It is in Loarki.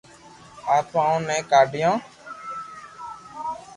آتمائون ني ڪا ِڍیون